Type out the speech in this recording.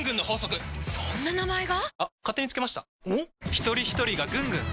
ひとりひとりがぐんぐん！